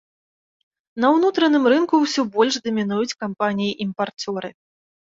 На ўнутраным рынку ўсё больш дамінуюць кампаніі імпарцёры.